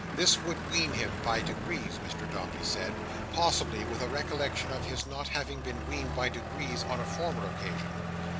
This would wean him by degrees, Mr Dombey said; possibly with a recollection of his not having been weaned by degrees on a former occasion.